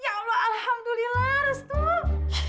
ya allah alhamdulillah restu